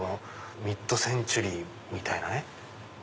ミッドセンチュリーみたいなね。